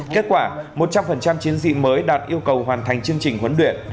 kết quả một trăm linh chiến sĩ mới đạt yêu cầu hoàn thành chương trình huấn luyện